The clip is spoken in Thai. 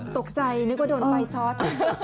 ตกใจนึกว่าโดนไฟช็อต